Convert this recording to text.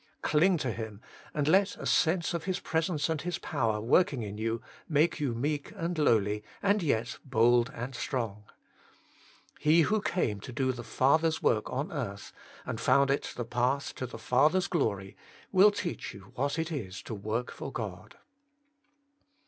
Cling to Him, and let a sense of His presence and His power working in you make you meek and lowly, and yet bold and strong. He who came to do the Father's work on earth, and found it the path to the Father's 122 Working for God glory, will teach you what it is to work for God.